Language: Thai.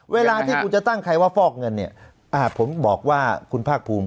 เวลาที่คุณจะตั้งใครว่าฟอกเงินเนี่ยผมบอกว่าคุณภาคภูมิ